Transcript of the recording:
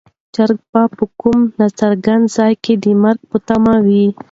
چرګه به په کوم ناڅرګند ځای کې د مرګ په تمه وي.